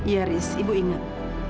ya haris ibu ingat